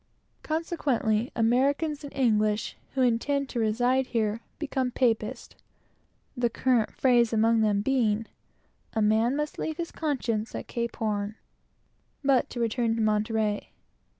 Consequently, the Americans and English who intend to remain here become Catholics, to a man; the current phrase among them being, "A man must leave his conscience at Cape Horn." But to return to Monterey.